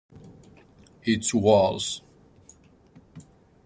its walls.